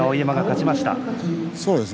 そうです